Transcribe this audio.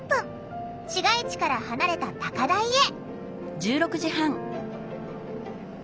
市街地から離れた高台へ。